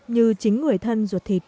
như chính người thân